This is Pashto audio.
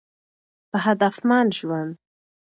په هدفمند ژوند